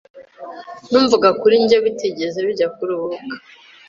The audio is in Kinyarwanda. Numvaga kuri njye bitigera bijya kuruhuka